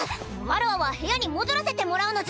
わらわは部屋に戻らせてもらうのじゃ。